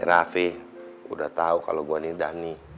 si raffi udah tau kalau gue nih dhani